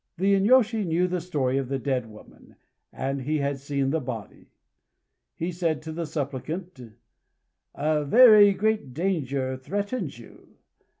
The inyôshi knew the story of the dead woman; and he had seen the body. He said to the supplicant: "A very great danger threatens you.